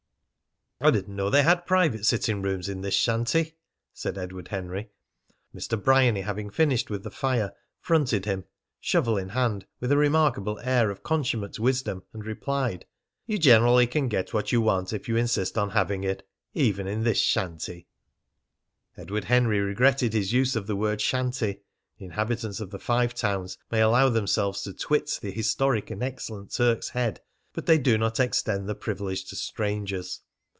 "I didn't know they had private sitting rooms in this shanty," said Edward Henry. Mr. Bryany, having finished with the fire, fronted him, shovel in hand, with a remarkable air of consummate wisdom, and replied: "You can generally get what you want if you insist on having it, even in this 'shanty.'" Edward Henry regretted his use of the word "shanty." Inhabitants of the Five Towns may allow themselves to twit the historic and excellent Turk's Head, but they do not extend the privilege to strangers.